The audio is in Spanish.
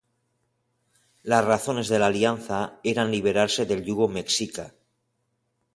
Las razones de la alianza eran liberarse del yugo mexica.